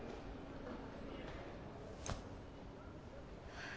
はあ。